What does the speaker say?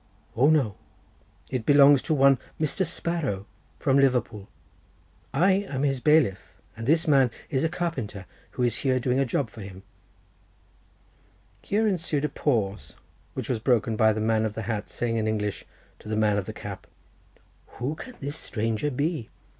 "O no, it belongs to one Mr. Sparrow from Liverpool. I am his bailiff, and this man is a carpenter who is here doing a job for him." Here ensued a pause, which was broken by the man of the hat saying in English to the man of the cap— "Who can this strange fellow be?